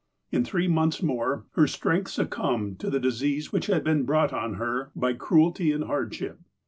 In three months more, her strength succumbed to the disease which had been brought on her by cruelty and hard ship.